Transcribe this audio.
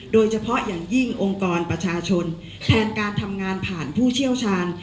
โดยเฉพาะอย่างยิ่งองค์กรประชาชนแทนการทำงานผ่านผู้เชี่ยวชาญ